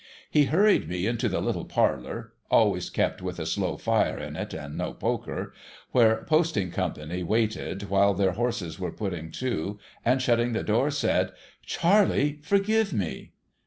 He hurried me into the little parlour (always kept with a slow fire in it and no poker), where posting company waited while their horses were putting to, and, shutting the door, said :' Charley, forgive me